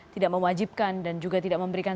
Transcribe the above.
tidak mewajibkan dan juga tidak memberikan